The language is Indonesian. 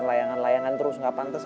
layangan layangan terus gak pantes